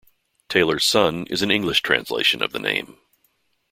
"Tailor's Son" is an English translation of the name.